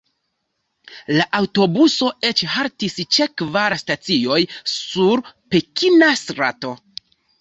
La aŭtobuso eĉ haltis ĉe kvar stacioj sur pekina strato.